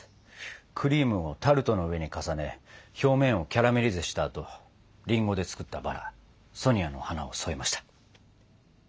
クリームをタルトの上に重ね表面をキャラメリゼしたあとりんごで作ったバラソニアの花を添えました。